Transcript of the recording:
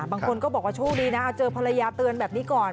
บางคนก็บอกว่าโชคดีนะเจอภรรยาเตือนแบบนี้ก่อน